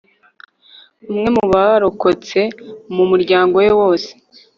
umwe mu barokotse mu muryango we wose